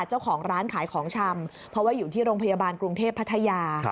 เจ้าของร้านขายของชำเพราะว่าอยู่ที่โรงพยาบาลกรุงเทพพัทยา